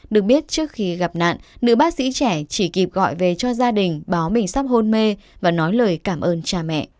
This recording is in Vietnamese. được biết trước khi gặp nạn nữ bác sĩ trẻ chỉ kịp gọi về cho gia đình báo mình sắp hôn mê và nói lời cảm ơn cha mẹ